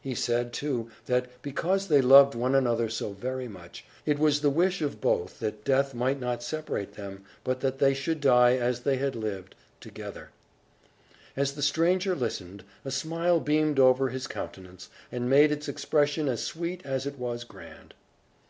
He said, too, that, because they loved one another so very much, it was the wish of both that death might not separate them, but that they should die, as they had lived, together. As the stranger listened, a smile beamed over his countenance, and made its expression as sweet as it was grand.